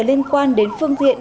liên quan đến phương diện